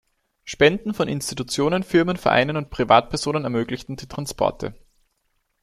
Spenden von Institutionen, Firmen, Vereinen und Privatpersonen ermöglichten die Transporte.